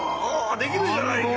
できるじゃないか！